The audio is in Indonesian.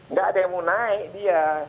nggak ada yang mau naik dia